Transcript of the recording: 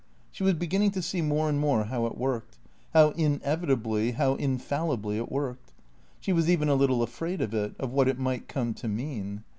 She was beginning to see more and more how it worked; how inevitably, how infallibly it worked. She was even a little afraid of it, of what it might come to mean.